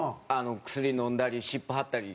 薬飲んだり湿布貼ったり。